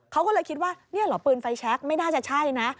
เขาก็เลยคิดว่านี่เหรอปืนไฟแชคไม่น่าจะใช่นะ